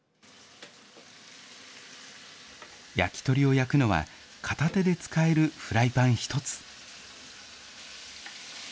焼き鳥を焼くのは片手で使えるフライパン一つ。